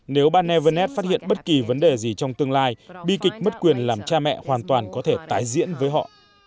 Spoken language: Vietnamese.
nếu barnevenet phát hiện bất kỳ vấn đề gì trong tương lai bi kịch mất quyền làm cha mẹ hoàn toàn có thể tái diễn với họ